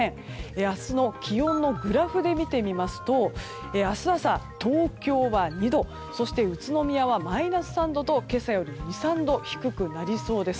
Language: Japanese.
明日の気温をグラフで見てみますと明日朝、東京は２度そして宇都宮はマイナス３度と今朝よりも２３度低くなりそうです。